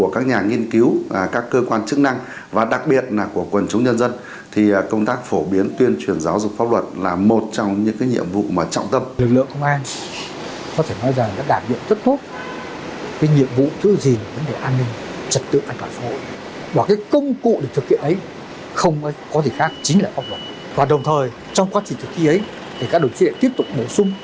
các cơ quan chức năng và đặc biệt là của quần chúng nhân dân thì công tác phổ biến tuyên truyền giáo dục pháp luật là một trong những nhiệm vụ trọng tâm